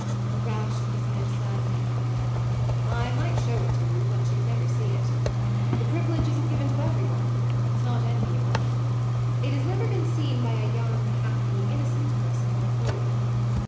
Ralph shook his head sadly. "I might show it to you, but you'd never see it. The privilege isn't given to every one; it's not enviable. It has never been seen by a young, happy, innocent person like you.